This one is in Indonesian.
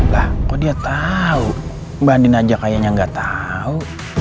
lah kok dia tahu mbak andin aja kayaknya nggak tahu